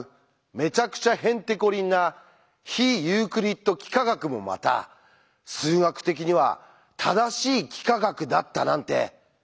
めちゃくちゃへんてこりんな非ユークリッド幾何学もまた数学的には正しい幾何学だったなんて。